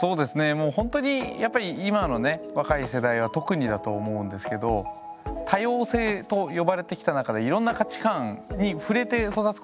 もうほんとにやっぱり今のね若い世代は特にだと思うんですけど多様性と呼ばれてきた中でいろんな価値観に触れて育つことができたわけじゃないですか。